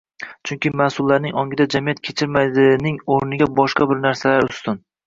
Chunki mas’ullarning ongida «jamiyat kechirmaydi»ning o‘rnida boshqa bir narsalar ustun